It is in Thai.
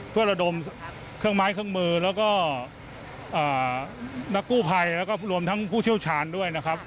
เพื่อระดมเครื่องไม้เครื่องมือแล้วก็นักกู้ภัยแล้วก็รวมทั้งผู้เชี่ยวชาญด้วยนะครับ